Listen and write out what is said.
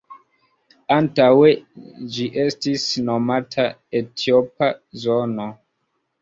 Antaŭe ĝi estis nomata Etiopa zono.